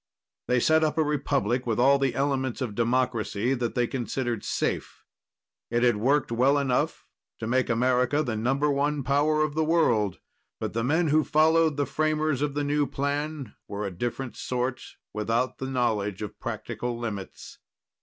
They set up a republic with all the elements of democracy that they considered safe. It had worked well enough to make America the number one power of the world. But the men who followed the framers of the new plan were a different sort, without the knowledge of practical limits.